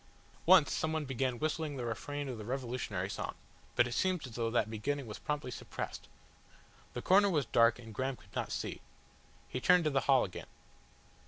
Once someone began whistling the refrain of the revolutionary song, but it seemed as though that beginning was promptly suppressed. The corner was dark and Graham could not see. He turned to the hall again.